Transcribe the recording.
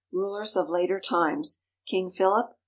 Rulers of Later Times. KING PHILIP.